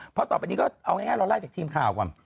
เพราะต่อไปนี้ก็เอาง่ายเราไล่จากทีมข่าวก่อน